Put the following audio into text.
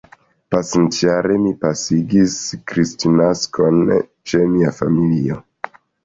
Pasintjare mi pasigis Kristnaskon ĉe mia familio.